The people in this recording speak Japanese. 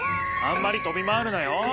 あんまりとび回るなよ。